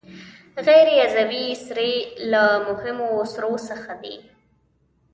غیر عضوي سرې له مهمو سرو څخه دي.